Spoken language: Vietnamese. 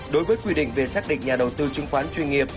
đối với quy định về xác định nhà đầu tư chứng khoán chuyên nghiệp